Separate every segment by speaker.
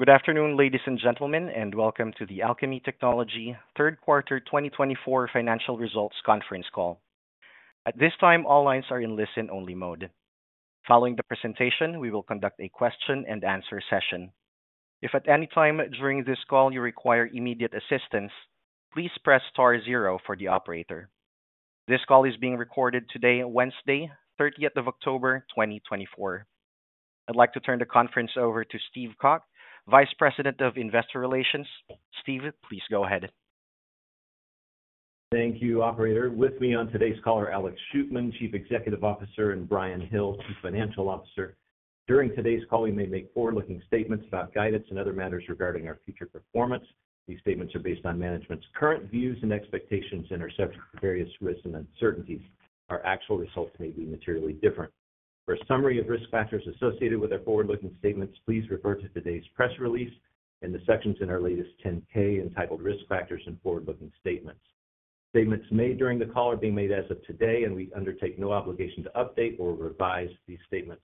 Speaker 1: Good afternoon, ladies and gentlemen, and welcome to the Alkami Technology Q3 2024 financial results conference call. At this time, all lines are in listen-only mode. Following the presentation, we will conduct a question-and-answer session. If at any time during this call you require immediate assistance, please press star zero for the operator. This call is being recorded today, Wednesday, 30 October 2024. I'd like to turn the conference over to Steve Calk, Vice President of Investor Relations. Steve, please go ahead. Thank you, Operator. With me on today's call are Alex Shootman, Chief Executive Officer, and Bryan Hill, Chief Financial Officer. During today's call, we may make forward-looking statements about guidance and other matters regarding our future performance. These statements are based on management's current views and expectations and are subject to various risks and uncertainties. Our actual results may be materially different. For a summary of risk factors associated with our forward-looking statements, please refer to today's press release in the sections in our latest 10-K entitled Risk Factors and Forward-Looking Statements. Statements made during the call are being made as of today, and we undertake no obligation to update or revise these statements.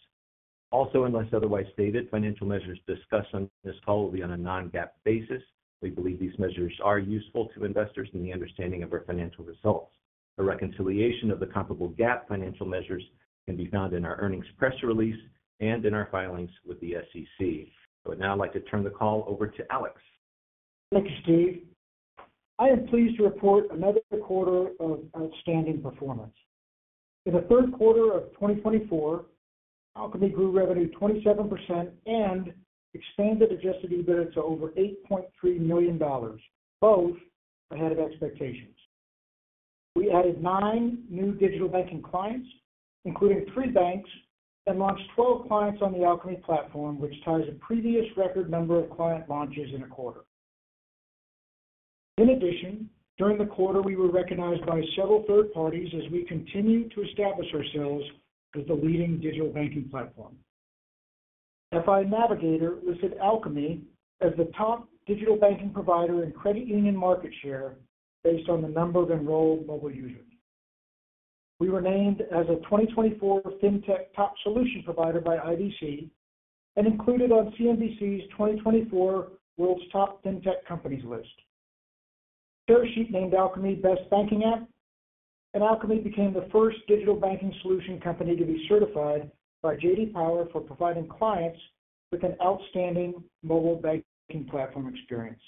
Speaker 1: Also, unless otherwise stated, financial measures discussed on this call will be on a Non-GAAP basis. We believe these measures are useful to investors in the understanding of our financial results. A reconciliation of the comparable GAAP financial measures can be found in our earnings press release and in our filings with the SEC. I would now like to turn the call over to Alex.
Speaker 2: Thank you, Steve. I am pleased to report another quarter of outstanding performance. In Q3 of 2024, Alkami grew revenue 27% and expanded adjusted EBITDA to over $8.3 million, both ahead of expectations. We added nine new digital banking clients, including three banks, and launched 12 clients on the Alkami platform, which ties a previous record number of client launches in a quarter. In addition, during the quarter, we were recognized by several third parties as we continue to establish ourselves as the leading digital banking platform. FI Navigator listed Alkami as the top digital banking provider in credit union market share based on the number of enrolled mobile users. We were named as a 2024 FinTech Top Solution Provider by IDC and included on CNBC's 2024 World's Top FinTech Companies list. Tearsheet named Alkami Best Banking App, and Alkami became the first digital banking solution company to be certified by J.D. Power for providing clients with an outstanding mobile banking platform experience.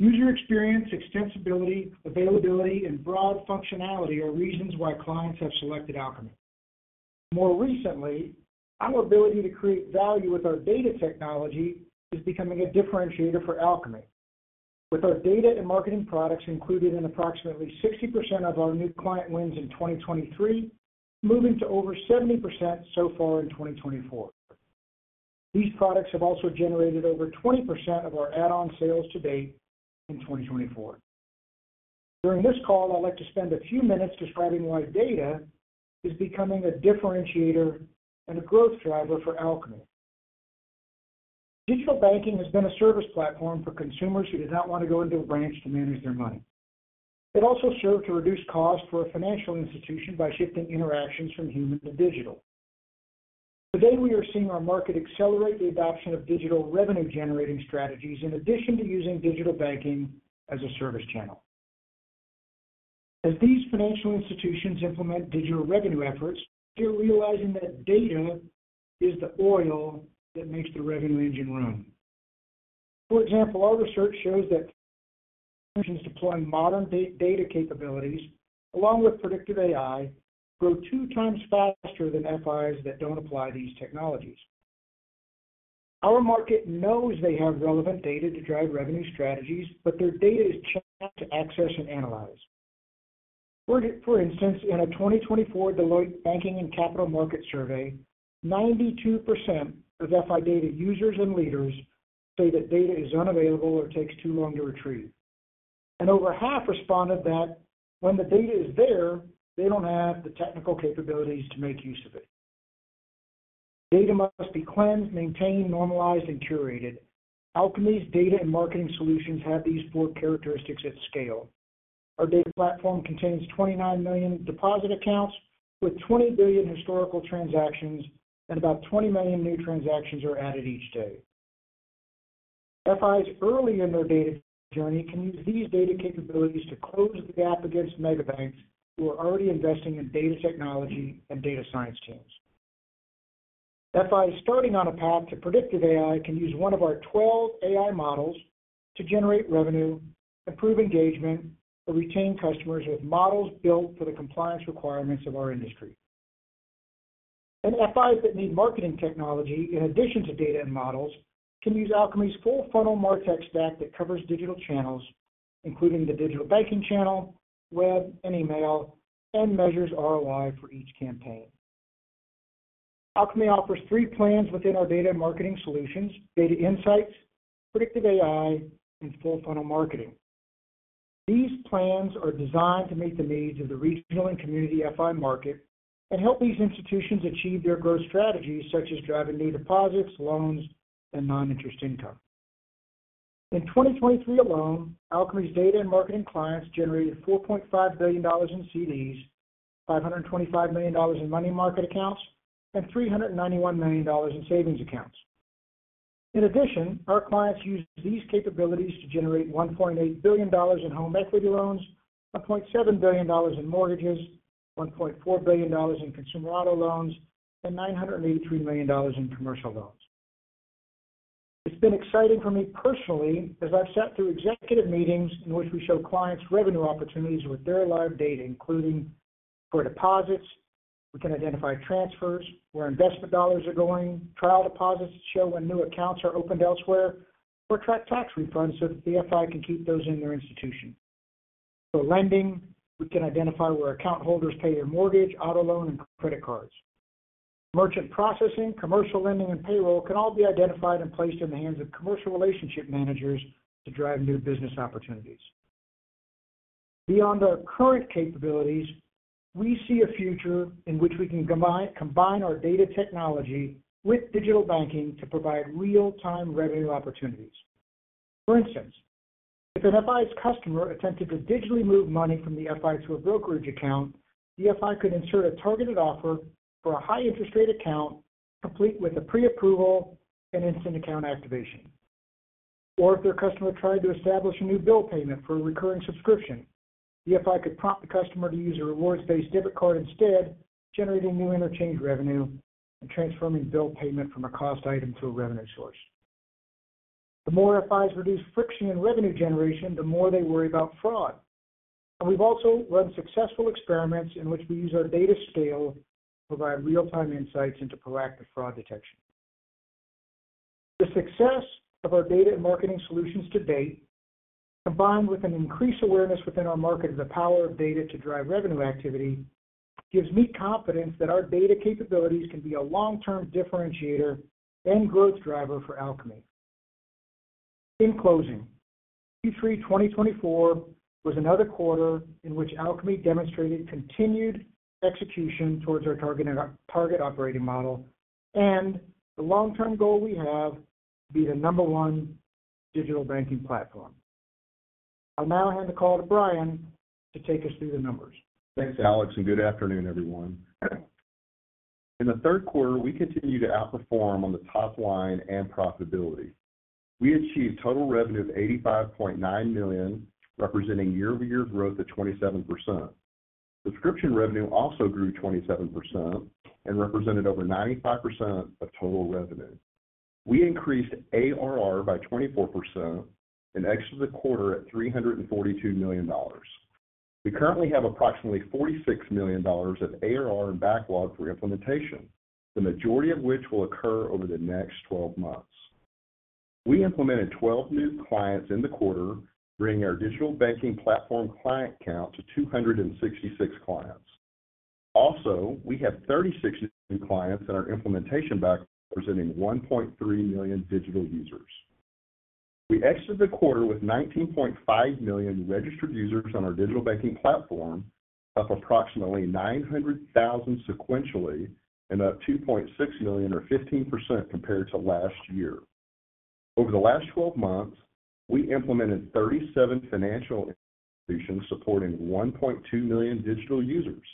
Speaker 2: User experience, extensibility, availability, and broad functionality are reasons why clients have selected Alkami. More recently, our ability to create value with our data technology is becoming a differentiator for Alkami, with our data and marketing products included in approximately 60% of our new client wins in 2023 moving to over 70% so far in 2024. These products have also generated over 20% of our add-on sales to date in 2024. During this call, I'd like to spend a few minutes describing why data is becoming a differentiator and a growth driver for Alkami. Digital banking has been a service platform for consumers who did not want to go into a branch to manage their money. It also served to reduce costs for a financial institution by shifting interactions from human to digital. Today, we are seeing our market accelerate the adoption of digital revenue-generating strategies in addition to using digital banking as a service channel. As these financial institutions implement digital revenue efforts, they're realizing that data is the oil that makes the revenue engine run. For example, our research shows that companies deploying modern data capabilities, along with predictive AI, grow two times faster than FIs that don't apply these technologies. Our market knows they have relevant data to drive revenue strategies, but their data is challenging to access and analyze. For instance, in a 2024 Deloitte Banking and Capital Market Survey, 92% of FI data users and leaders say that data is unavailable or takes too long to retrieve. Over half responded that when the data is there, they don't have the technical capabilities to make use of it. Data must be cleansed, maintained, normalized, and curated. Alkami's data and marketing solutions have these four characteristics at scale. Our data platform contains 29 million deposit accounts with 20 billion historical transactions, and about 20 million new transactions are added each day. FIs early in their data journey can use these data capabilities to close the gap against mega banks who are already investing in data technology and data science teams. FIs starting on a path to predictive AI can use one of our 12 AI models to generate revenue, improve engagement, or retain customers with models built for the compliance requirements of our industry. FIs that need marketing technology, in addition to data and models, can use Alkami's full-funnel MarTech stack that covers digital channels, including the digital banking channel, web, and email, and measures ROI for each campaign. Alkami offers three plans within our data and marketing solutions: Data Insights, Predictive AI, and Full-Funnel Marketing. These plans are designed to meet the needs of the regional and community FI market and help these institutions achieve their growth strategies, such as driving new deposits, loans, and non-interest income. In 2023 alone, Alkami's data and marketing clients generated $4.5 billion in CDs, $525 million in money market accounts, and $391 million in savings accounts. In addition, our clients use these capabilities to generate $1.8 billion in home equity loans, $1.7 billion in mortgages, $1.4 billion in consumer auto loans, and $983 million in commercial loans. It's been exciting for me personally as I've sat through executive meetings in which we show clients revenue opportunities with their live data, including for deposits. We can identify transfers, where investment dollars are going, trial deposits to show when new accounts are opened elsewhere, or track tax refunds so that the FI can keep those in their institution. For lending, we can identify where account holders pay their mortgage, auto loan, and credit cards. Merchant processing, commercial lending, and payroll can all be identified and placed in the hands of commercial relationship managers to drive new business opportunities. Beyond our current capabilities, we see a future in which we can combine our data technology with digital banking to provide real-time revenue opportunities. For instance, if an FI's customer attempted to digitally move money from the FI to a brokerage account, the FI could insert a targeted offer for a high-interest rate account, complete with a pre-approval and instant account activation. Or if their customer tried to establish a new bill payment for a recurring subscription, the FI could prompt the customer to use a rewards-based debit card instead, generating new interchange revenue and transforming bill payment from a cost item to a revenue source. The more FIs reduce friction in revenue generation, the more they worry about fraud. We've also run successful experiments in which we use our data scale to provide real-time insights into proactive fraud detection. The success of our data and marketing solutions to date, combined with an increased awareness within our market of the power of data to drive revenue activity, gives me confidence that our data capabilities can be a long-term differentiator and growth driver for Alkami. In closing, Q3 2024 was another quarter in which Alkami demonstrated continued execution towards our target operating model and the long-term goal we have to be the number one digital banking platform. I'll now hand the call to Bryan to take us through the numbers.
Speaker 3: Thanks, Alex, and good afternoon, everyone. In Q3, we continued to outperform on the top line and profitability. We achieved total revenue of $85.9 million, representing year-over-year growth of 27%. Subscription revenue also grew 27% and represented over 95% of total revenue. We increased ARR by 24% and exited the quarter at $342 million. We currently have approximately $46 million of ARR and backlog for implementation, the majority of which will occur over the next 12 months. We implemented 12 new clients in the quarter, bringing our digital banking platform client count to 266 clients. Also, we have 36 new clients in our implementation backlog, representing 1.3 million digital users. We exited the quarter with 19.5 million registered users on our digital banking platform, up approximately 900,000 sequentially and up 2.6 million, or 15%, compared to last year. Over the last 12 months, we implemented 37 financial institutions supporting 1.2 million digital users.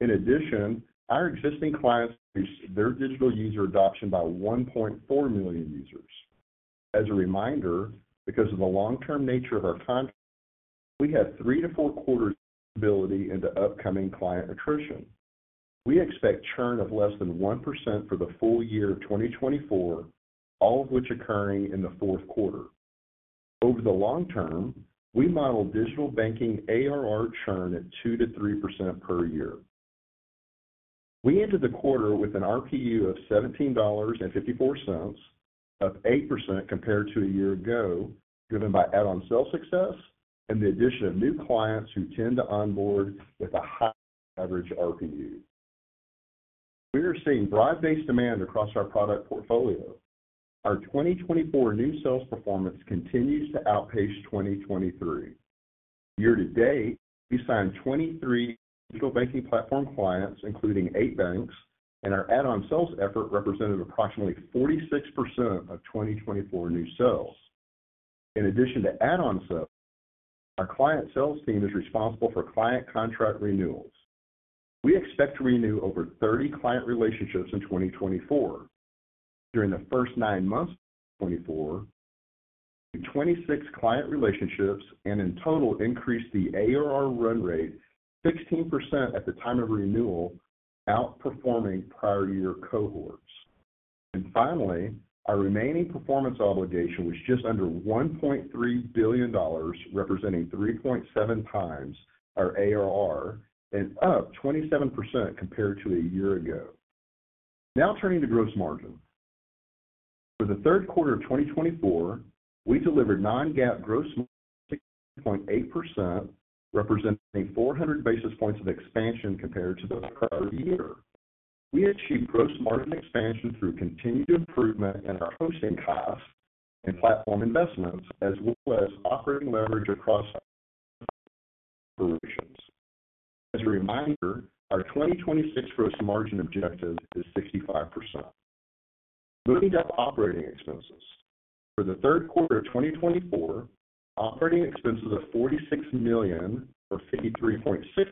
Speaker 3: In addition, our existing clients increased their digital user adoption by 1.4 million users. As a reminder, because of the long-term nature of our contracts, we have three to four quarters' visibility into upcoming client attrition. We expect churn of less than 1% for the full year of 2024, all of which occurring in the fourth quarter. Over the long term, we model digital banking ARR churn at 2%-3% per year. We ended the quarter with an RPU of $17.54, up 8% compared to a year ago, driven by add-on sales success and the addition of new clients who tend to onboard with a high average RPU. We are seeing broad-based demand across our product portfolio. Our 2024 new sales performance continues to outpace 2023. Year to date, we signed 23 digital banking platform clients, including eight banks, and our add-on sales effort represented approximately 46% of 2024 new sales. In addition to add-on sales, our client sales team is responsible for client contract renewals. We expect to renew over 30 client relationships in 2024. During the first nine months of 2024, we made 26 client relationships and in total increased the ARR run rate 16% at the time of renewal, outperforming prior-year cohorts. Finally, our remaining performance obligation was just under $1.3 billion, representing 3.7 times our ARR and up 27% compared to a year ago. Now turning to gross margin. For Q3 2024, we delivered non-GAAP gross margin of 6.8%, representing 400 basis points of expansion compared to the prior year. We achieved gross margin expansion through continued improvement in our hosting costs and platform investments, as well as operating leverage across operations. As a reminder, our 2026 gross margin objective is 65%. Moving to operating expenses. For Q3 2024, operating expenses of $46 million, or 53.6% of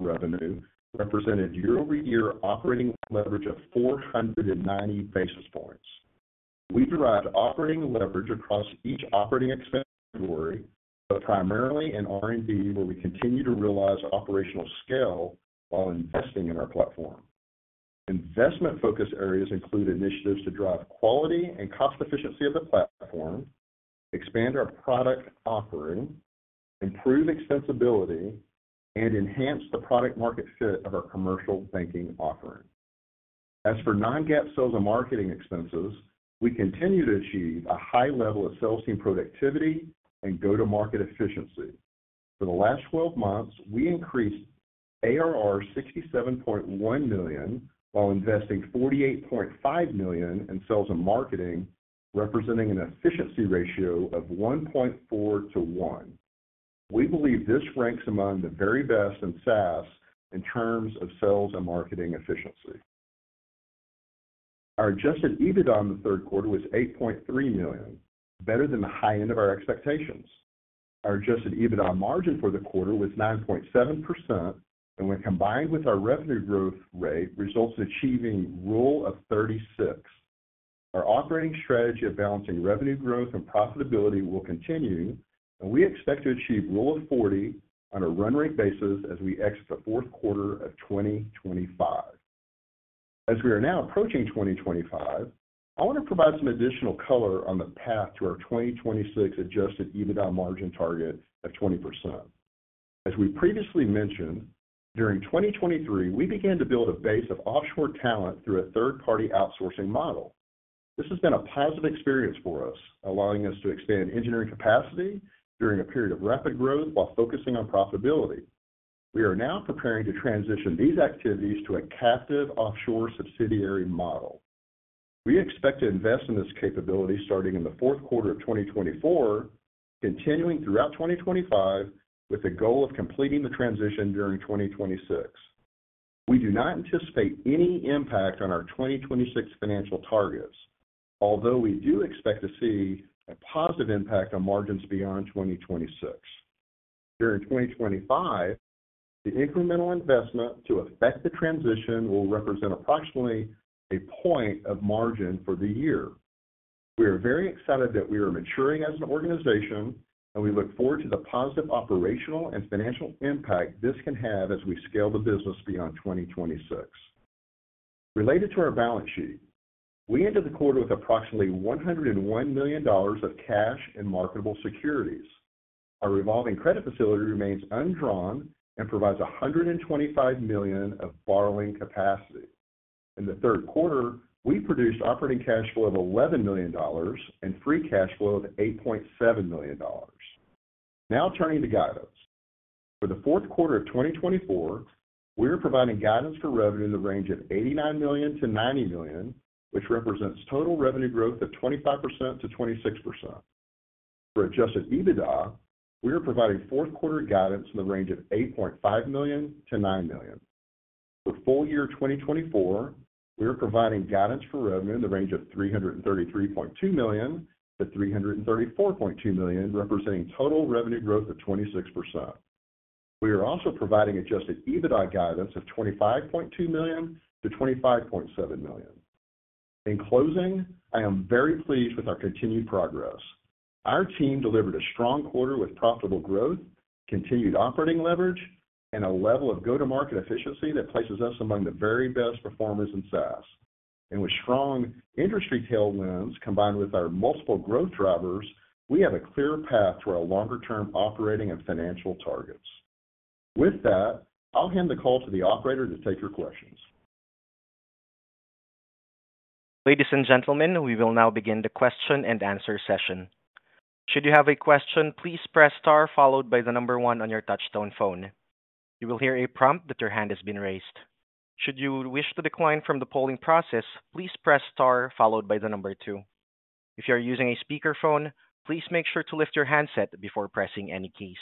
Speaker 3: revenue, represented year-over-year operating leverage of 490 basis points. We derived operating leverage across each operating expense category, but primarily in R&D, where we continue to realize operational scale while investing in our platform. Investment-focused areas include initiatives to drive quality and cost efficiency of the platform, expand our product offering, improve extensibility, and enhance the product-market fit of our commercial banking offering. As for non-GAAP sales and marketing expenses, we continue to achieve a high level of sales team productivity and go-to-market efficiency. For the last 12 months, we increased ARR $67.1 million while investing $48.5 million in sales and marketing, representing an efficiency ratio of 1.4 to 1. We believe this ranks among the very best in SaaS in terms of sales and marketing efficiency. Our adjusted EBITDA in Q3 was $8.3 million, better than the high end of our expectations. Our adjusted EBITDA margin for the quarter was 9.7%, and when combined with our revenue growth rate, results in achieving Rule of 36. Our operating strategy of balancing revenue growth and profitability will continue, and we expect to achieve Rule of 40 on a run rate basis as we exit the fourth quarter of 2025. As we are now approaching 2025, I want to provide some additional color on the path to our 2026 adjusted EBITDA margin target of 20%. As we previously mentioned, during 2023, we began to build a base of offshore talent through a third-party outsourcing model. This has been a positive experience for us, allowing us to expand engineering capacity during a period of rapid growth while focusing on profitability. We are now preparing to transition these activities to a captive offshore subsidiary model. We expect to invest in this capability starting in Q4 2024, continuing throughout 2025, with a goal of completing the transition during 2026. We do not anticipate any impact on our 2026 financial targets, although we do expect to see a positive impact on margins beyond 2026. During 2025, the incremental investment to affect the transition will represent approximately a point of margin for the year. We are very excited that we are maturing as an organization, and we look forward to the positive operational and financial impact this can have as we scale the business beyond 2026. Related to our balance sheet, we ended the quarter with approximately $101 million of cash and marketable securities. Our revolving credit facility remains undrawn and provides $125 million of borrowing capacity. In Q3, we produced operating cash flow of $11 million and free cash flow of $8.7 million. Now turning to guidance. For Q4 2024, we are providing guidance for revenue in the range of $89-$90 million, which represents total revenue growth of 25%-26%. For Adjusted EBITDA, we are providing Q4 guidance in the range of $8.5-$9 million. For full year 2024, we are providing guidance for revenue in the range of $333.2 million-$334.2 million, representing total revenue growth of 26%. We are also providing Adjusted EBITDA guidance of $25.2 million-$25.7 million. In closing, I am very pleased with our continued progress. Our team delivered a strong quarter with profitable growth, continued operating leverage, and a level of go-to-market efficiency that places us among the very best performers in SaaS, and with strong industry tailwinds combined with our multiple growth drivers, we have a clear path to our longer-term operating and financial targets. With that, I'll hand the call to the operator to take your questions.
Speaker 1: Ladies and gentlemen, we will now begin the question and answer session. Should you have a question, please press star followed by the number one on your touch-tone phone. You will hear a prompt that your hand has been raised. Should you wish to decline from the polling process, please press star followed by the number two. If you are using a speakerphone, please make sure to lift your handset before pressing any keys.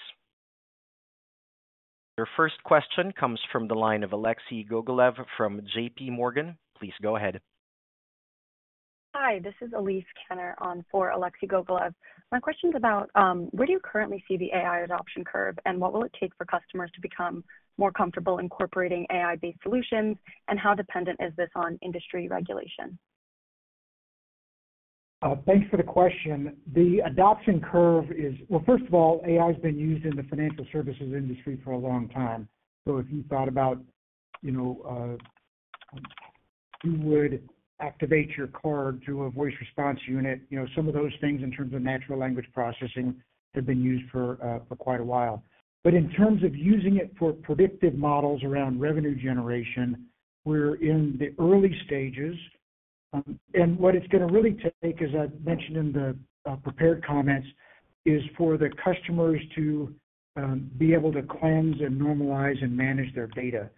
Speaker 1: Your first question comes from the line of Alexei Gogolev from J.P. Morgan. Please go ahead.
Speaker 4: Hi, this is Elise Kanner on for Alexei Gogolev. My question is about where do you currently see the AI adoption curve, and what will it take for customers to become more comfortable incorporating AI-based solutions, and how dependent is this on industry regulation?
Speaker 2: Thanks for the question. The adoption curve is, well, first of all, AI has been used in the financial services industry for a long time. If you thought about, you know, you would activate your card through a voice response unit, some of those things in terms of natural language processing have been used for quite a while. In terms of using it for predictive models around revenue generation, we're in the early stages. What it's going to really take, as I mentioned in the prepared comments, is for the customers to be able to cleanse and normalize and manage their data.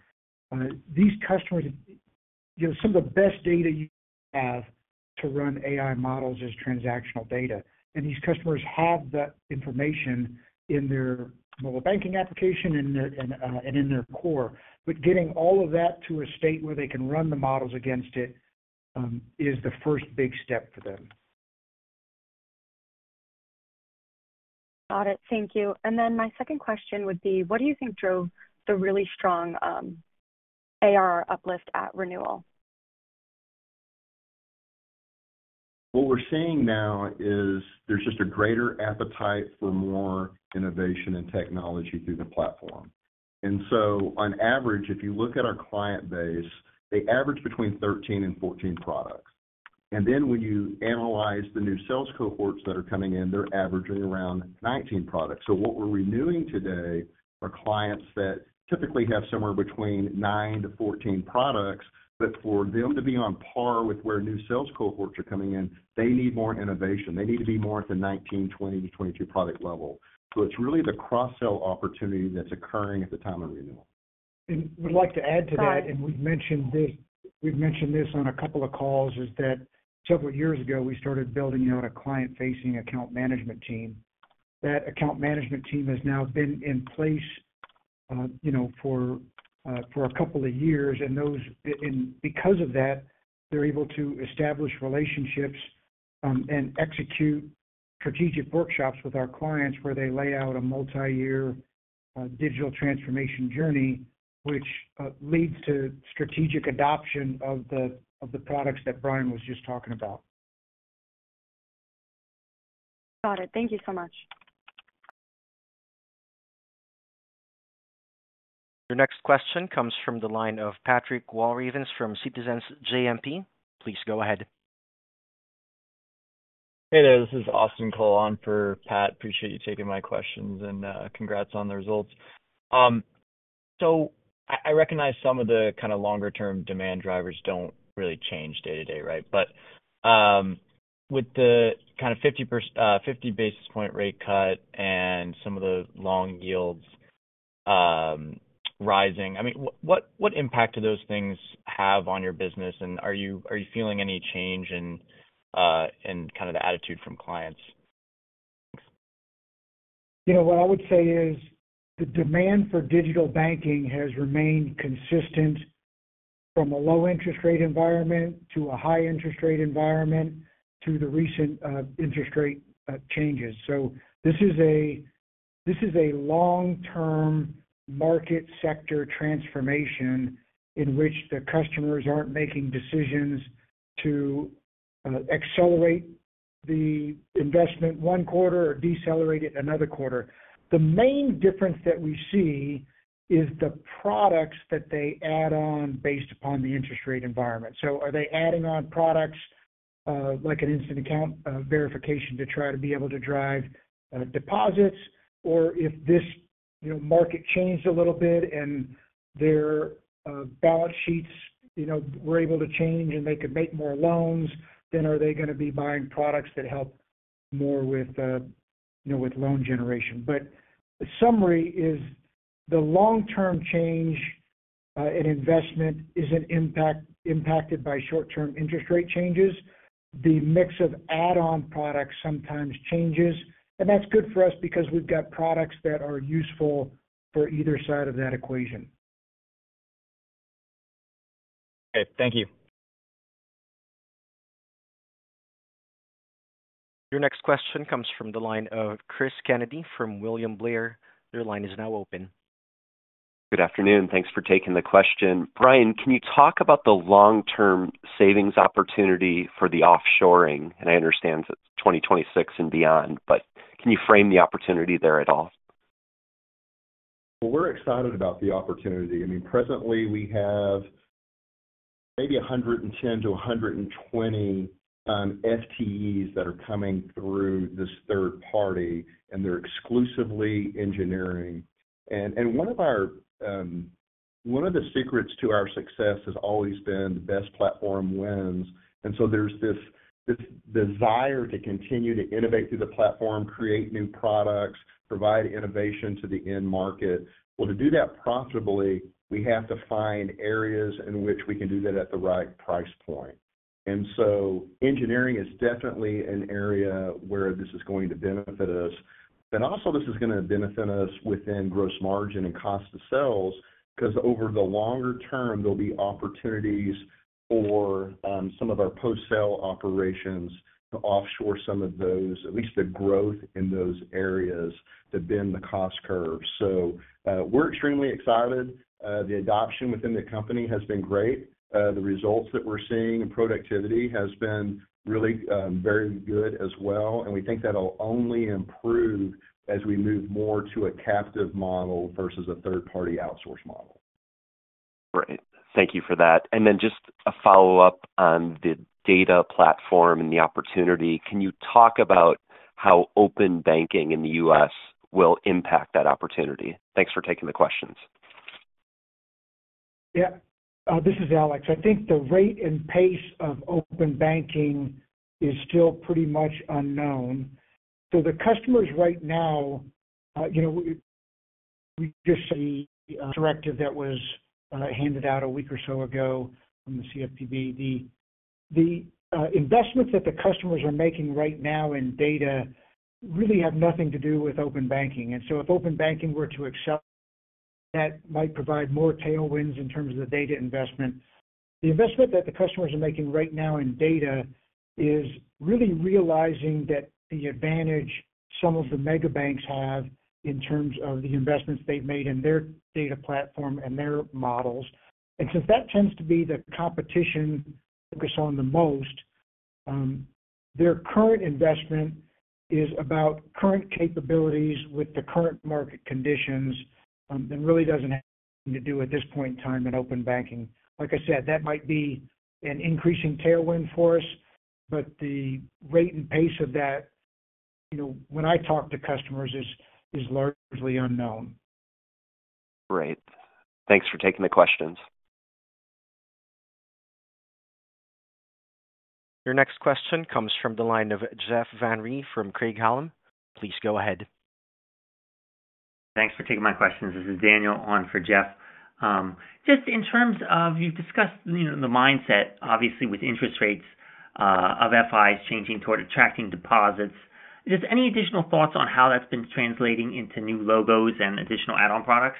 Speaker 2: These customers, some of the best data you have to run AI models is transactional data. These customers have that information in their mobile banking application and in their core. Getting all of that to a state where they can run the models against it is the first big step for them.
Speaker 4: Got it. Thank you. And then my second question would be, what do you think drove the really strong ARR uplift at renewal?
Speaker 3: What we're seeing now is there's just a greater appetite for more innovation and technology through the platform. On average, if you look at our client base, they average between 13 and 14 products. Then when you analyze the new sales cohorts that are coming in, they're averaging around 19 products. So what we're renewing today are clients that typically have somewhere between 9-14 products, but for them to be on par with where new sales cohorts are coming in, they need more innovation. They need to be more at the 19, 20, 22 product level. It's really the cross-sell opportunity that's occurring at the time of renewal.
Speaker 2: We'd like to add to that, and we've mentioned this on a couple of calls, is that several years ago, we started building out a client-facing account management team. That account management team has now been in place for a couple of years. They're able to establish relationships and execute strategic workshops with our clients where they lay out a multi-year digital transformation journey, which leads to strategic adoption of the products that Bryan was just talking about.
Speaker 4: Got it. Thank you so much.
Speaker 1: Your next question comes from the line of Patrick Walravens from Citizens JMP. Please go ahead.
Speaker 5: Hey there. This is Austin Coleone for Patrick Walravens. Appreciate you taking my questions and congrats on the results. I recognize some of the longer-term demand drivers don't really change day to day, right? With the 50 basis points rate cut and some of the long yields rising, I mean, what impact do those things have on your business? Are you feeling any change in the attitude from clients?
Speaker 2: What I would say is the demand for digital banking has remained consistent from a low interest rate environment to a high interest rate environment to the recent interest rate changes. This is a long-term market sector transformation in which the customers aren't making decisions to accelerate the investment one quarter or decelerate it another quarter. The main difference that we see is the products that they add on based upon the interest rate environment. Are they adding on products like an instant account verification to try to be able to drive deposits? Or if this market changed a little bit and their balance sheets, you know, were able to change and they could make more loans, then are they going to be buying products that help more with, you know, with loan generation? The summary is the long-term change in investment isn't impacted by short-term interest rate changes. The mix of add-on products sometimes changes. That's good for us because we've got products that are useful for either side of that equation.
Speaker 5: Okay. Thank you.
Speaker 1: Your next question comes from the line of Chris Kennedy from William Blair. Your line is now open.
Speaker 6: Good afternoon. Thanks for taking the question. Bryan, can you talk about the long-term savings opportunity for the offshoring? I understand it's 2026 and beyond, but can you frame the opportunity there at all?
Speaker 3: We're excited about the opportunity. I mean, presently, we have maybe 110-120 FTEs that are coming through this third party, and they're exclusively engineering. One of our secrets to our success has always been the best platform wins. There's this desire to continue to innovate through the platform, create new products, provide innovation to the end market. To do that profitably, we have to find areas in which we can do that at the right price point. Engineering is definitely an area where this is going to benefit us. Also, this is going to benefit us within gross margin and cost of sales because over the longer term, there'll be opportunities for some of our post-sale operations to offshore some of those, at least the growth in those areas to bend the cost curve. We're extremely excited. The adoption within the company has been great. The results that we're seeing in productivity have been really very good as well, and we think that'll only improve as we move more to a captive model versus a third-party outsource model.
Speaker 6: Great. Thank you for that. Then just a follow-up on the data platform and the opportunity. Can you talk about how open banking in the U.S. will impact that opportunity? Thanks for taking the questions.
Speaker 2: Yeah. This is Alex. I think the rate and pace of open banking is still pretty much unknown. The customers right now, you know, we just saw the directive that was handed out a week or so ago from the CFPB. The investments that the customers are making right now in data really have nothing to do with open banking. If open banking were to accelerate, that might provide more tailwinds in terms of the data investment. The investment that the customers are making right now in data is really realizing that the advantage some of the mega banks have in terms of the investments they've made in their data platform and their models. Since that tends to be the competition focus on the most, their current investment is about current capabilities with the current market conditions and really doesn't have anything to do at this point in time in Open Banking. Like I said, that might be an increasing tailwind for us, but the rate and pace of that, you know, when I talk to customers, is largely unknown.
Speaker 6: Great. Thanks for taking the questions.
Speaker 1: Your next question comes from the line of Jeff Van Rhee from Craig-Hallum. Please go ahead.
Speaker 7: Thanks for taking my questions. This is Daniel on for Jeff. Just in terms of, you've discussed the mindset, obviously, with interest rates of FIs changing toward attracting deposits. Just any additional thoughts on how that's been translating into new logos and additional add-on products?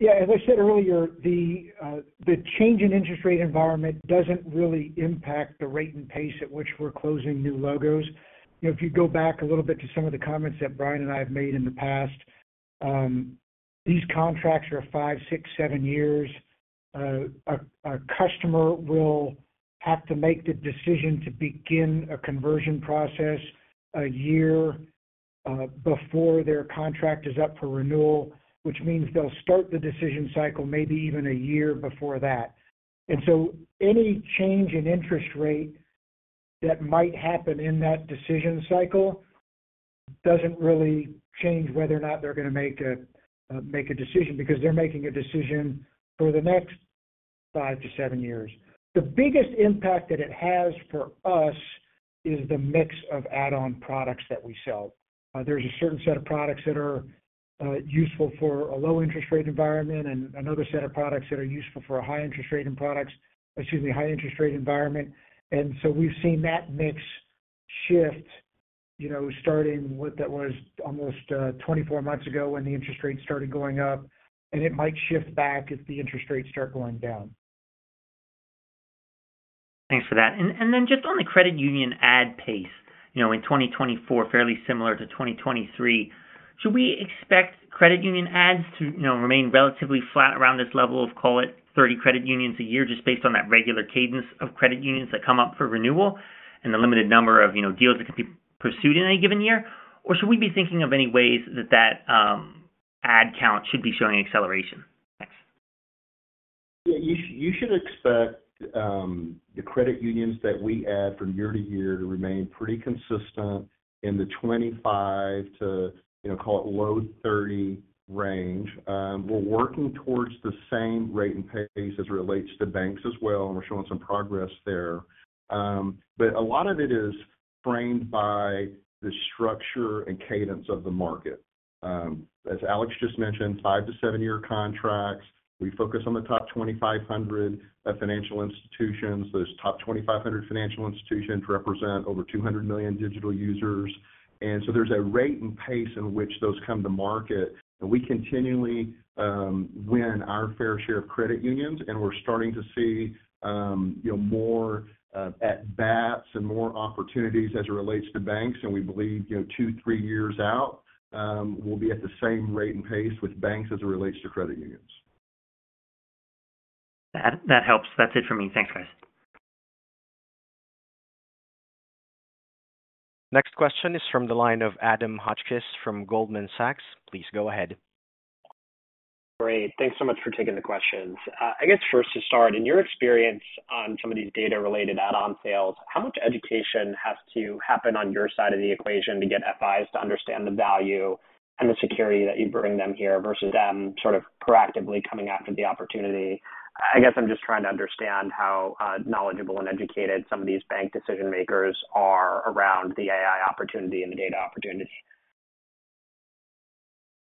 Speaker 2: Yeah. As I said earlier, the change in interest rate environment doesn't really impact the rate and pace at which we're closing new logos. You know, if you go back a little bit to some of the comments that Bryan and I have made in the past, these contracts are five, six, seven years. A customer will have to make the decision to begin a conversion process a year before their contract is up for renewal, which means they'll start the decision cycle maybe even a year before that. Any change in interest rate that might happen in that decision cycle doesn't really change whether or not they're going to make a decision because they're making a decision for the next five to seven years. The biggest impact that it has for us is the mix of add-on products that we sell. There's a certain set of products that are useful for a low interest rate environment and another set of products that are useful for a high interest rate and products, excuse me, high interest rate environment, and so we've seen that mix shift, you know, starting what that was almost 24 months ago when the interest rate started going up, and it might shift back if the interest rates start going down.
Speaker 7: Thanks for that. Then just on the credit union add pace, in 2024, fairly similar to 2023, should we expect credit union adds to remain relatively flat around this level of, call it, 30 credit unions a year just based on that regular cadence of credit unions that come up for renewal and the limited number of, you know, deals that can be pursued in any given year? Or should we be thinking of any ways that that add count should be showing acceleration? Thanks.
Speaker 3: You should expect the credit unions that we add from year to year to remain pretty consistent in the 25 to, you know, call it low 30 range. We're working towards the same rate and pace as it relates to banks as well, and we're showing some progress there. But a lot of it is framed by the structure and cadence of the market. As Alex just mentioned, five to seven-year contracts. We focus on the top 2,500 financial institutions. Those top 2,500 financial institutions represent over 200 million digital users. And so there's a rate and pace in which those come to market. And we continually win our fair share of credit unions, and we're starting to see, you know, more at-bats and more opportunities as it relates to banks. We believe two, three years out, we'll be at the same rate and pace with banks as it relates to credit unions.
Speaker 7: That helps. That's it for `me. Thanks, guys.
Speaker 1: Next question is from the line of Adam Hotchkiss from Goldman Sachs. Please go ahead.
Speaker 7: Great. Thanks so much for taking the questions. I guess first to start, in your experience on some of these data-related add-on sales, how much education has to happen on your side of the equation to get FIs to understand the value and the security that you bring them here versus them proactively coming after the opportunity? I guess I'm just trying to understand how knowledgeable and educated some of these bank decision-makers are around the AI opportunity and the data opportunity.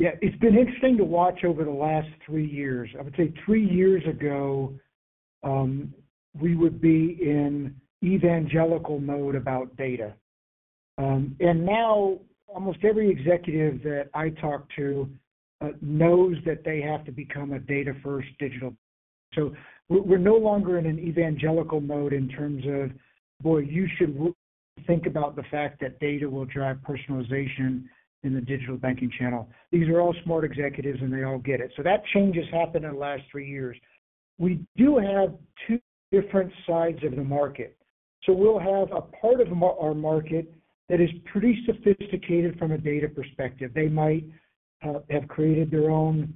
Speaker 2: Yeah. It's been interesting to watch over the last three years. I would say three years ago, we would be in evangelical mode about data, and now almost every executive that I talk to knows that they have to become a data-first digital, so we're no longer in an evangelical mode in terms of, boy, you should think about the fact that data will drive personalization in the digital banking channel. These are all smart executives, and they all get it, so that change has happened in the last three years. We do have two different sides of the market, so we'll have a part of our market that is pretty sophisticated from a data perspective. They might have created their own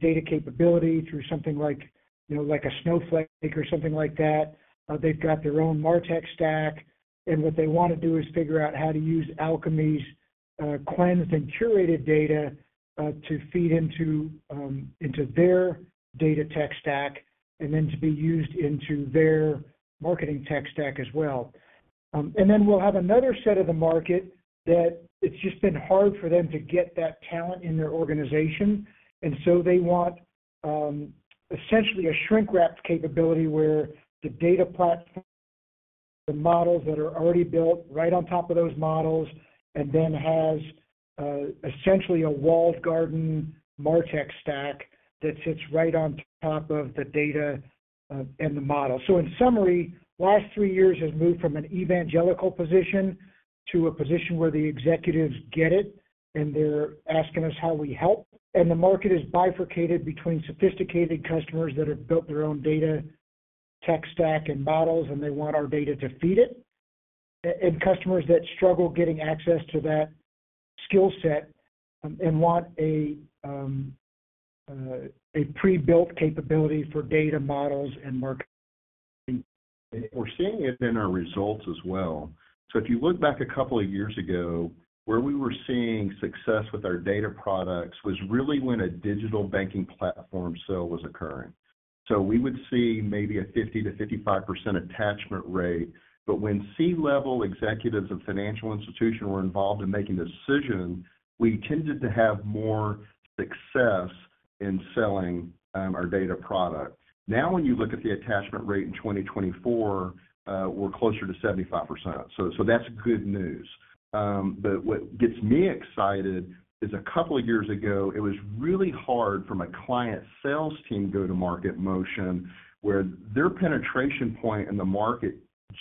Speaker 2: data capability through something like, you know, like a Snowflake or something like that. They've got their own MarTech stack. What they want to do is figure out how to use Alkami's cleansed and curated data to feed into their data tech stack and then to be used into their marketing tech stack as well. And then we'll have another set of the market that it's just been hard for them to get that talent in their organization. And so they want essentially a shrink-wrapped capability where the data platform, the models that are already built right on top of those models, and then has essentially a walled garden MarTech stack that sits right on top of the data and the model. In summary, the last three years have moved from an evangelical position to a position where the executives get it, and they're asking us how we help. The market is bifurcated between sophisticated customers that have built their own data tech stack and models, and they want our data to feed it, and customers that struggle getting access to that skill set and want a pre-built capability for data models and marketing.
Speaker 3: We're seeing it in our results as well. If you look back a couple of years ago, where we were seeing success with our data products was really when a digital banking platform sale was occurring. We would see maybe a 50%-55% attachment rate. When C-level executives of financial institutions were involved in making decisions, we tended to have more success in selling our data product. Now, when you look at the attachment rate in 2024, we're closer to 75%. That's good news. What gets me excited is a couple of years ago, it was really hard for my client sales team to go to market motion where their penetration point in the market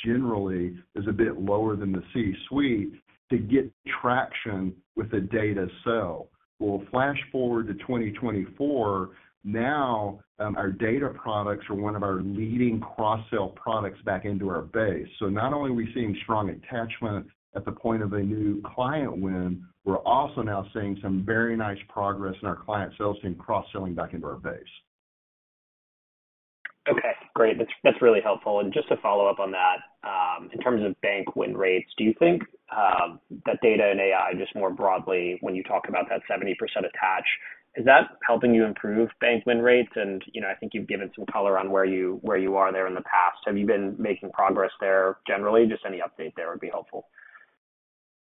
Speaker 3: generally is a bit lower than the C-suite to get traction with a data sale. Flash forward to 2024. Now our data products are one of our leading cross-sell products back into our base. Not only are we seeing strong attachment at the point of a new client win, we're also now seeing some very nice progress in our client sales team cross-selling back into our base.
Speaker 7: Okay. Great. That's really helpful. And just to follow up on that, in terms of bank win rates, do you think that data and AI, just more broadly, when you talk about that 70% attach, is that helping you improve bank win rates? And, you know, I think you've given some color on where you are there in the past. Have you been making progress there generally? Just any update there would be helpful.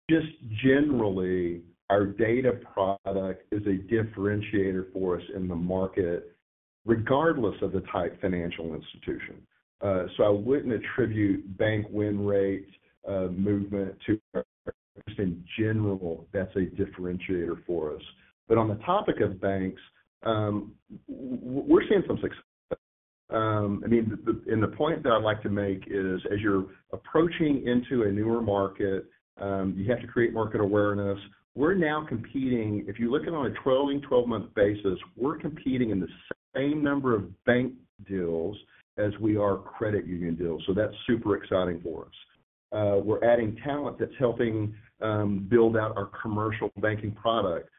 Speaker 3: Just generally, our data product is a differentiator for us in the market regardless of the type of financial institution. So I wouldn't attribute bank win rate movement to our just in general. That's a differentiator for us. But on the topic of banks, we're seeing some success. I mean, the point that I'd like to make is as you're approaching into a newer market, you have to create market awareness. We're now competing. If you look at it on a 12-month basis, we're competing in the same number of bank deals as we are credit union deals. So that's super exciting for us. We're adding talent that's helping build out our commercial banking product.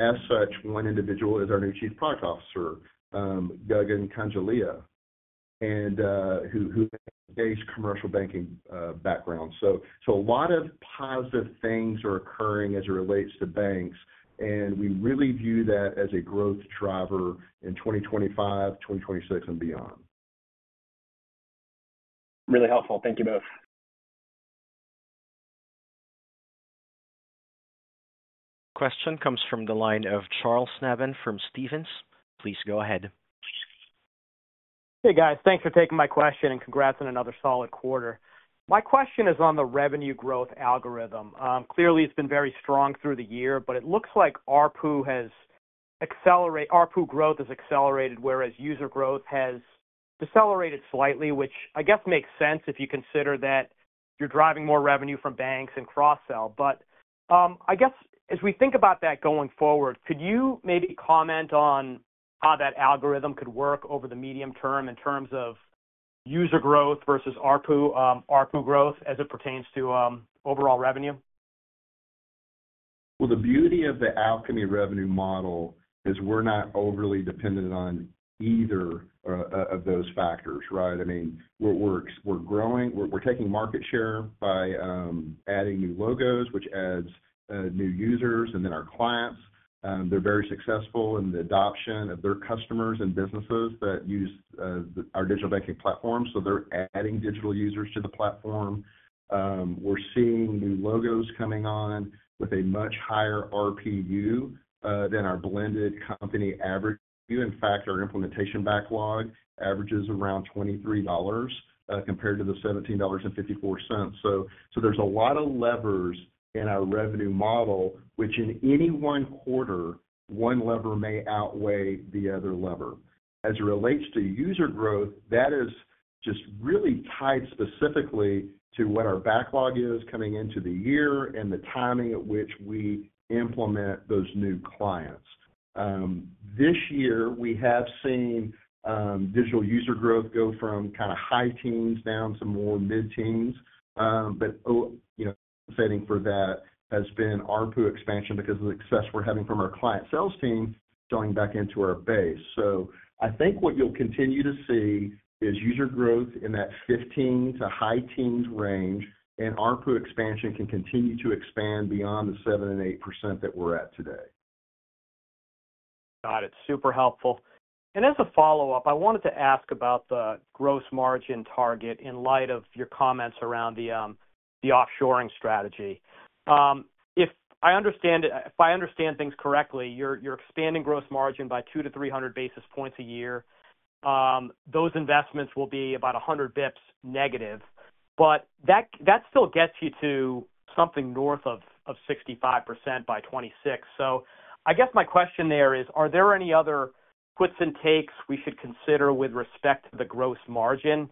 Speaker 3: As such, one individual is our new Chief Product Officer, Gagan Kanjlia, who has a vast commercial banking background. A lot of positive things are occurring as it relates to banks, and we really view that as a growth driver in 2025, 2026, and beyond.
Speaker 7: Really helpful. Thank you both.
Speaker 1: Question comes from the line of Charles Nabhan from Stephens. Please go ahead.
Speaker 8: Hey, guys. Thanks for taking my question and congrats on another solid quarter. My question is on the revenue growth algorithm. Clearly, it's been very strong through the year, but it looks like ARPU has accelerated. ARPU growth has accelerated, whereas user growth has decelerated slightly, which I guess makes sense if you consider that you're driving more revenue from banks and cross-sell. As we think about that going forward, could you maybe comment on how that algorithm could work over the medium term in terms of user growth versus ARPU growth as it pertains to overall revenue?
Speaker 3: The beauty of the Alkami revenue model is we're not overly dependent on either of those factors, right? I mean, we're growing. We're taking market share by adding new logos, which adds new users, and then our clients, they're very successful in the adoption of their customers and businesses that use our digital banking platform. They're adding digital users to the platform. We're seeing new logos coming on with a much higher RPU than our blended company average. In fact, our implementation backlog averages around $23 compared to the $17.54. There's a lot of levers in our revenue model, which in any one quarter, one lever may outweigh the other lever. As it relates to user growth, that is just really tied specifically to what our backlog is coming into the year and the timing at which we implement those new clients. This year, we have seen digital user growth go from high teens down to more mid-teens. Fitting for that has been ARPU expansion because of the success we're having from our client sales team selling back into our base. I think what you'll continue to see is user growth in that 15 to high teens range, and ARPU expansion can continue to expand beyond the 7% and 8% that we're at today.
Speaker 8: Got it. Super helpful. As a follow-up, I wanted to ask about the gross margin target in light of your comments around the offshoring strategy. If I understand things correctly, you're expanding gross margin by 200-300 basis points a year. Those investments will be about 100 basis points negative. That still gets you to something north of 65% by 2026. My question there is, are there any other give and takes we should consider with respect to the gross margin,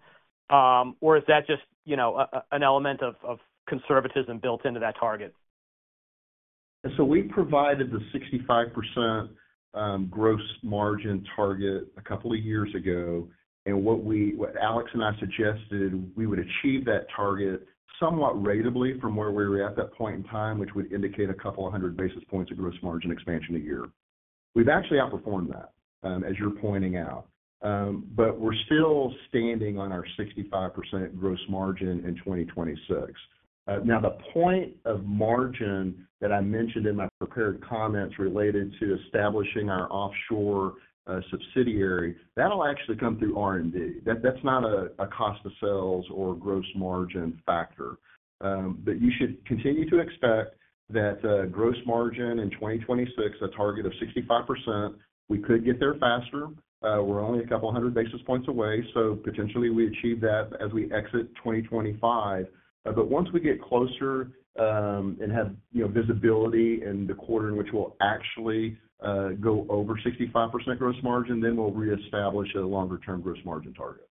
Speaker 8: or is that just an element of conservatism built into that target?
Speaker 3: We provided the 65% gross margin target a couple of years ago, and what Alex and I suggested, we would achieve that target somewhat ratably from where we were at that point in time, which would indicate a couple of hundred basis points of gross margin expansion a year. We've actually outperformed that, as you're pointing out. We're still standing on our 65% gross margin in 2026. Now, the point of margin that I mentioned in my prepared comments related to establishing our offshore subsidiary, that'll actually come through R&D. That's not a cost of sales or gross margin factor. You should continue to expect that gross margin in 2026, a target of 65%. We could get there faster. We're only a couple of hundred basis points away. Potentially, we achieve that as we exit 2025. Once we get closer and have, you know, visibility in the quarter in which we'll actually go over 65% gross margin, then we'll reestablish a longer-term gross margin target.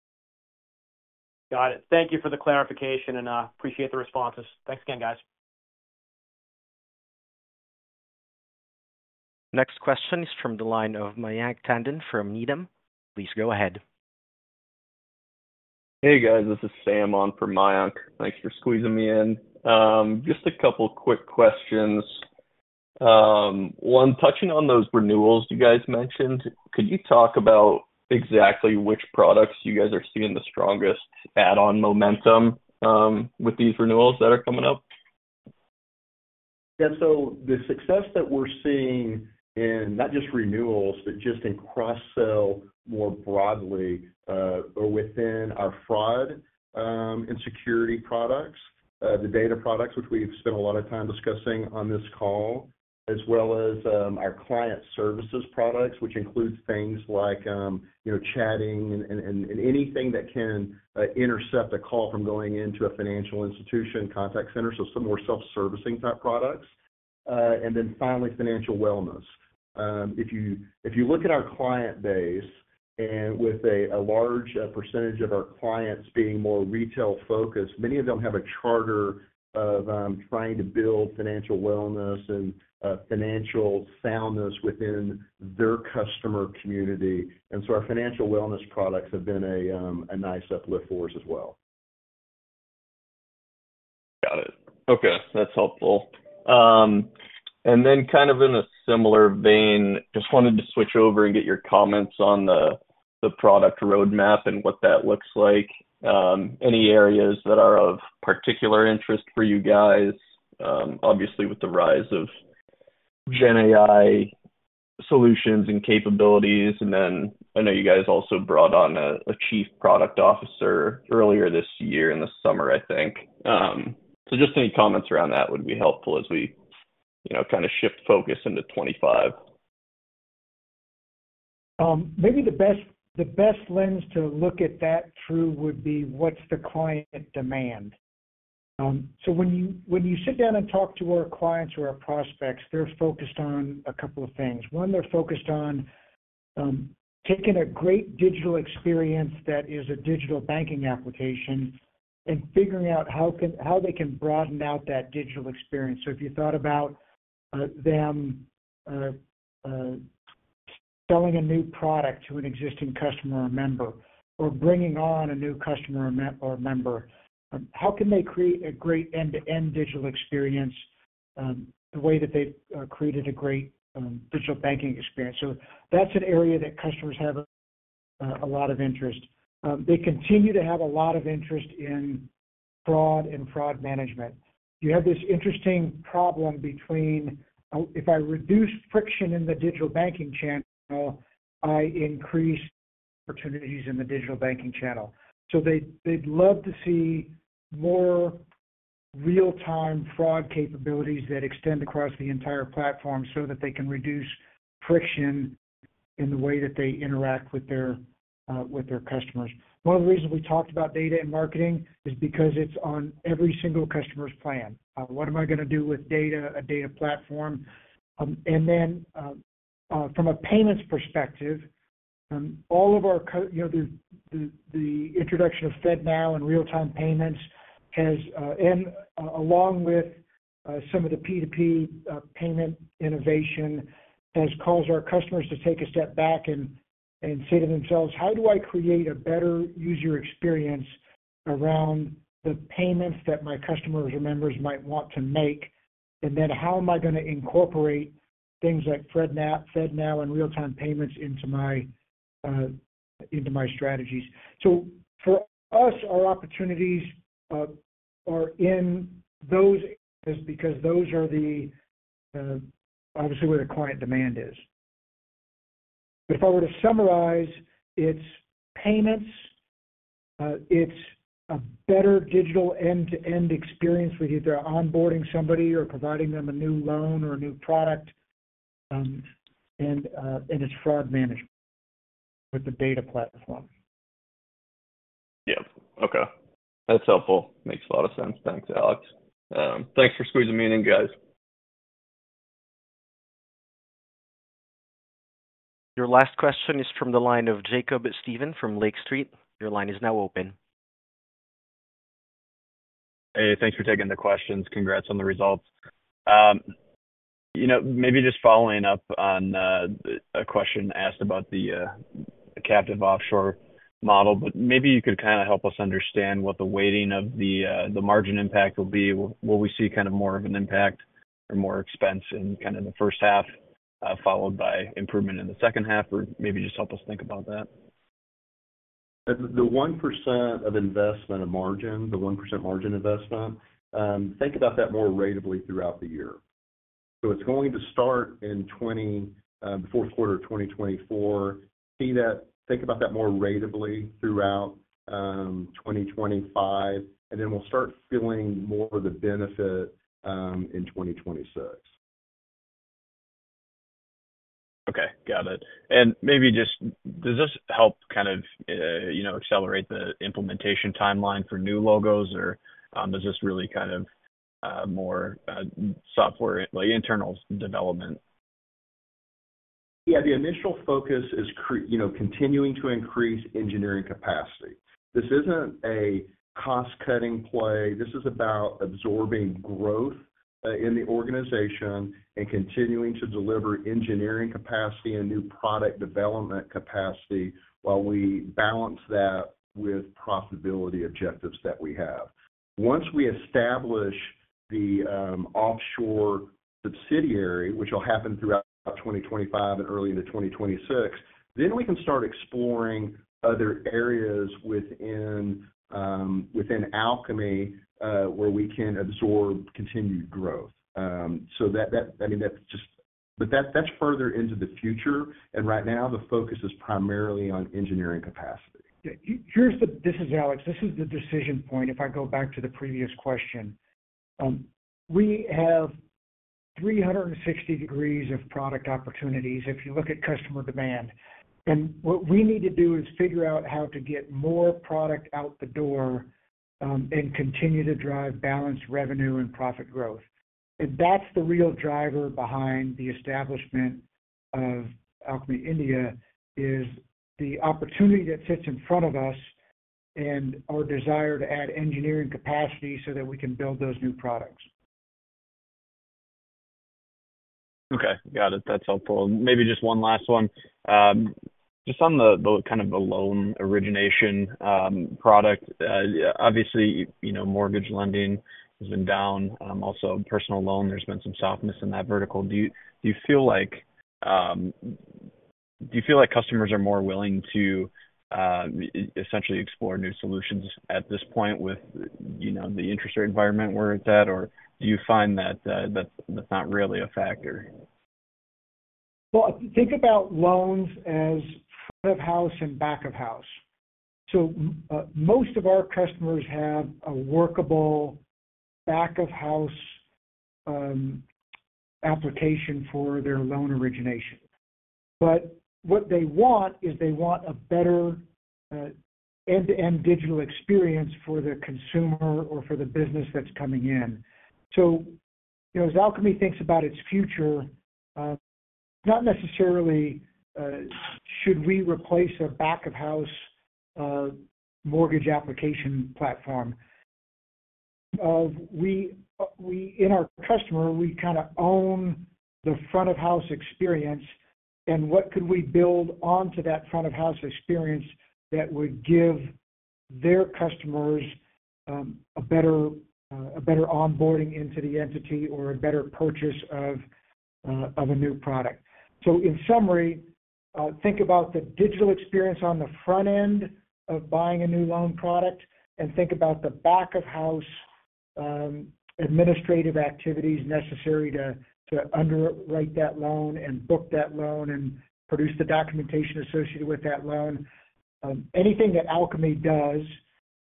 Speaker 8: Got it. Thank you for the clarification, and I appreciate the responses. Thanks again, guys.
Speaker 1: Next question is from the line of Mayank Tandon from Needham. Please go ahead.
Speaker 9: Hey, guys. This is Samon from Mayank. Thanks for squeezing me in. Just a couple of quick questions. One, touching on those renewals you guys mentioned, could you talk about exactly which products you guys are seeing the strongest add-on momentum with these renewals that are coming up?
Speaker 3: The success that we're seeing in not just renewals, but just in cross-sell more broadly or within our fraud and security products, the data products, which we've spent a lot of time discussing on this call, as well as our client services products, which includes things like, you know, chatting and anything that can intercept a call from going into a financial institution contact center, so some more self-servicing type products. And then finally, financial wellness. If you look at our client base and with a large percentage of our clients being more retail-focused, many of them have a charter of trying to build financial wellness and financial soundness within their customer community. Our financial wellness products have been a nice uplift for us as well.
Speaker 9: Got it. Okay. That's helpful. Then in a similar vein, just wanted to switch over and get your comments on the product roadmap and what that looks like. Any areas that are of particular interest for you guys, obviously with the rise of GenAI solutions and capabilities? Then I know you guys also brought on a Chief Product Officer earlier this year in the summer, I think. Just any comments around that would be helpful as we, you know, shift focus into 2025.
Speaker 2: Maybe the best lens to look at that through would be what's the client demand. When you sit down and talk to our clients or our prospects, they're focused on a couple of things. One, they're focused on taking a great digital experience that is a digital banking application and figuring out how they can broaden out that digital experience. If you thought about them selling a new product to an existing customer or member or bringing on a new customer or member, how can they create a great end-to-end digital experience the way that they've created a great digital banking experience? That's an area that customers have a lot of interest. They continue to have a lot of interest in fraud and fraud management. You have this interesting problem between if I reduce friction in the digital banking channel, I increase opportunities in the digital banking channel. They'd love to see more real-time fraud capabilities that extend across the entire platform so that they can reduce friction in the way that they interact with their customers. One of the reasons we talked about data and marketing is because it's on every single customer's plan. What am I going to do with data, a data platform? Then from a payments perspective, all of our the introduction of FedNow and real-time payments has, and along with some of the P2P payment innovation, has caused our customers to take a step back and say to themselves, how do I create a better user experience around the payments that my customers or members might want to make? Then how am I going to incorporate things like FedNow, FedNow, and real-time payments into my strategies? For us, our opportunities are in those areas because those are, obviously, where the client demand is. If I were to summarize, it's payments, it's a better digital end-to-end experience with either onboarding somebody or providing them a new loan or a new product, and it's fraud management with the data platform.
Speaker 9: Yep. Okay. That's helpful. Makes a lot of sense. Thanks, Alex. Thanks for squeezing me in, guys.
Speaker 1: Your last question is from the line of Jacob Stephan from Lake Street. Your line is now open.
Speaker 10: Hey, thanks for taking the questions. Congrats on the results. You know, maybe just following up on a question asked about the captive offshore model, but maybe you could help us understand what the weighting of the margin impact will be. Will we see more of an impact or more expense in the first half, followed by improvement in the second half, or maybe just help us think about that?
Speaker 3: The 1% of investment of margin, the 1% margin investment, think about that more ratably throughout the year. It's going to start in the fourth quarter of 2024. See that, think about that more ratably throughout 2025, and then we'll start feeling more of the benefit in 2026.
Speaker 10: Okay. Got it and maybe just, does this help you know, accelerate the implementation timeline for new logos, or is this really more software, like internal development?
Speaker 3: Yeah. The initial focus is, you know, continuing to increase engineering capacity. This isn't a cost-cutting play. This is about absorbing growth in the organization and continuing to deliver engineering capacity and new product development capacity while we balance that with profitability objectives that we have. Once we establish the offshore subsidiary, which will happen throughout 2025 and early into 2026, then we can start exploring other areas within Alkami where we can absorb continued growth. That, I mean, that's just, but that's further into the future. Right now, the focus is primarily on engineering capacity.
Speaker 2: This is Alex. This is the decision point. If I go back to the previous question, we have 360 degrees of product opportunities if you look at customer demand, and what we need to do is figure out how to get more product out the door and continue to drive balanced revenue and profit growth, and that's the real driver behind the establishment of Alkami India, is the opportunity that sits in front of us and our desire to add engineering capacity so that we can build those new products.
Speaker 10: Okay. Got it. That's helpful. Maybe just one last one. Just on the loan origination product, obviously, you know, mortgage lending has been down. Also, personal loan, there's been some softness in that vertical. Do you feel like, do you feel like customers are more willing to essentially explore new solutions at this point with, you know, the interest rate environment we're at, or do you find that that's not really a factor?
Speaker 2: Think about loans as front-of-house and back-of-house. Most of our customers have a workable back-of-house application for their loan origination. What they want is they want a better end-to-end digital experience for the consumer or for the business that's coming in. As Alkami thinks about its future, not necessarily should we replace a back-of-house mortgage application platform. For our customers, we own the front-of-house experience, and what could we build onto that front-of-house experience that would give their customers a better onboarding into the entity or a better purchase of a new product? In summary, think about the digital experience on the front end of buying a new loan product and think about the back-of-house administrative activities necessary to underwrite that loan and book that loan and produce the documentation associated with that loan. Anything that Alkami does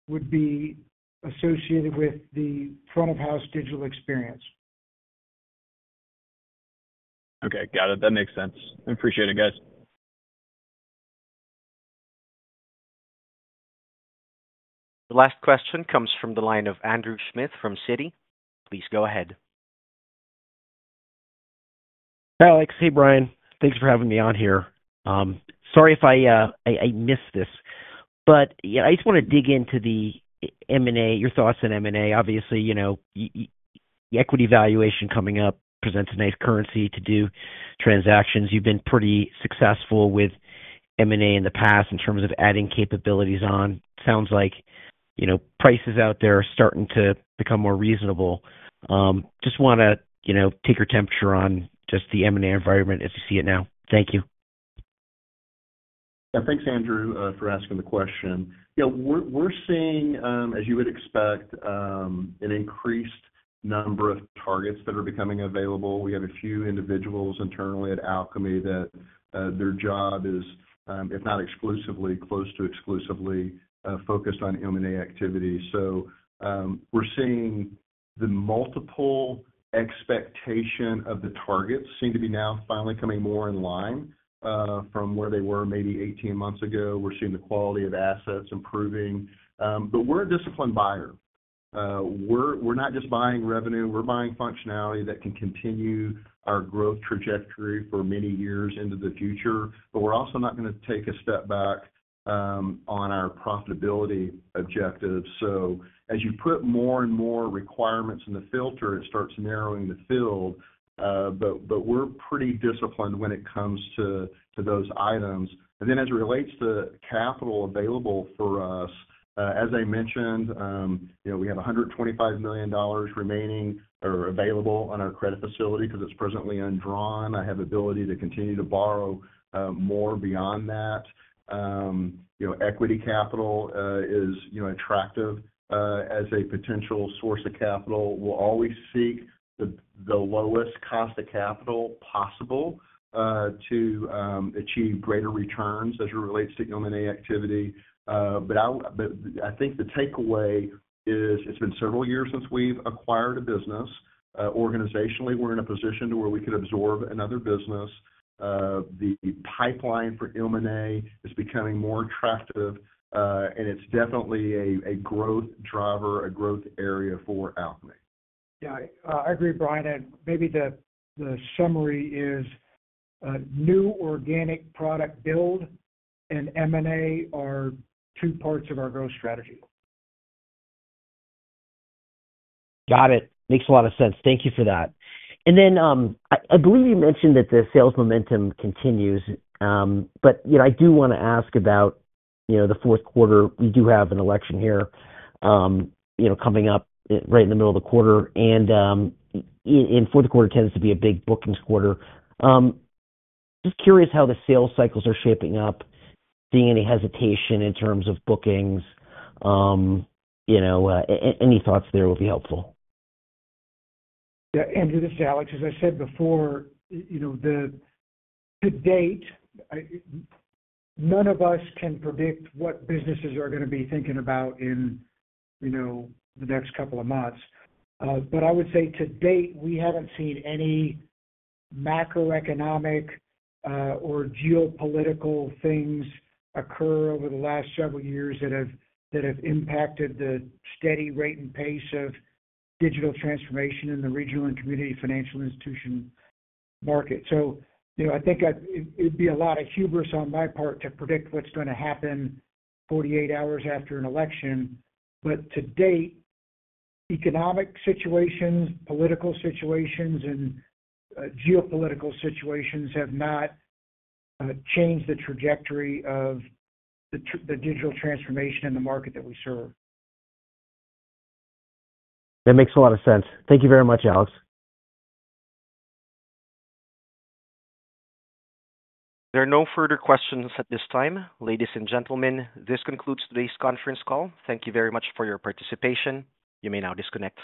Speaker 2: would be associated with the front-of-house digital experience.
Speaker 10: Okay. Got it. That makes sense. I appreciate it, guys.
Speaker 1: The last question comes from the line of Andrew Schmidt from Citi. Please go ahead.
Speaker 11: Hi, Alex. Hey, Bryan. Thanks for having me on here. Sorry if I missed this, but I just want to dig into the M&A, your thoughts on M&A. Obviously, you know, equity valuation coming up presents a nice currency to do transactions. You've been pretty successful with M&A in the past in terms of adding capabilities on. Sounds like prices out there are starting to become more reasonable. Just want to, you know, take your temperature on just the M&A environment as you see it now. Thank you.
Speaker 3: Yeah. Thanks, Andrew, for asking the question. Yeah. We're seeing, as you would expect, an increased number of targets that are becoming available. We have a few individuals internally at Alkami that their job is, if not exclusively, close to exclusively focused on M&A activity. We're seeing the multiple expectation of the targets seem to be now finally coming more in line from where they were maybe 18 months ago. We're seeing the quality of assets improving. But we're a disciplined buyer. We're not just buying revenue. We're buying functionality that can continue our growth trajectory for many years into the future. But we're also not going to take a step back on our profitability objectives. As you put more and more requirements in the filter, it starts narrowing the field. We're pretty disciplined when it comes to those items. Then as it relates to capital available for us, as I mentioned, you know, we have $125 million remaining or available on our credit facility because it's presently undrawn. I have ability to continue to borrow more beyond that. You know, equity capital is, you know, attractive as a potential source of capital. We'll always seek the lowest cost of capital possible to achieve greater returns as it relates to M&A activity. I think the takeaway is it's been several years since we've acquired a business. Organizationally, we're in a position to where we could absorb another business. The pipeline for M&A is becoming more attractive, and it's definitely a growth driver, a growth area for Alkami. Yeah. I agree, Bryan. And maybe the summary is new organic product build and M&A are two parts of our growth strategy.
Speaker 11: Got it. Makes a lot of sense. Thank you for that. Then I believe you mentioned that the sales momentum continues, but, you know, I do want to ask about, you know, the fourth quarter. We do have an election here, you know, coming up right in the middle of the quarter, and fourth quarter tends to be a big bookings quarter. Just curious how the sales cycles are shaping up, seeing any hesitation in terms of bookings. Any thoughts there will be helpful. Yeah. Andrew, this is Alex. As I said before, you know, to date, none of us can predict what businesses are going to be thinking about in, you know, the next couple of months. But I would say to date, we haven't seen any macroeconomic or geopolitical things occur over the last several years that have impacted the steady rate and pace of digital transformation in the regional and community financial institution market. I think it'd be a lot of hubris on my part to predict what's going to happen 48 hours after an election. To date, economic situations, political situations, and geopolitical situations have not changed the trajectory of the digital transformation in the market that we serve. That makes a lot of sense. Thank you very much, Alex.
Speaker 1: There are no further questions at this time. Ladies and gentlemen, this concludes today's conference call. Thank you very much for your participation. You may now disconnect.